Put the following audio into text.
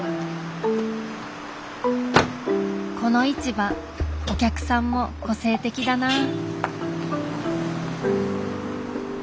この市場お客さんも個性的だなぁ。